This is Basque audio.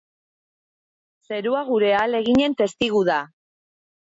Zerua gure ahaleginen testigu da.